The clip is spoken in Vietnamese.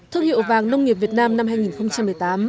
thương hiệu vàng nông nghiệp việt nam năm hai nghìn một mươi tám